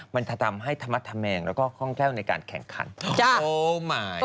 มันทำให้ธรรมดธแมงแล้วก็ค่อยแค่ว่าในการแข่งขันจ้ะโอ้มายก็อด